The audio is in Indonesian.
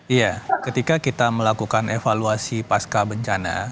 iya ketika kita melakukan evaluasi pasca bencana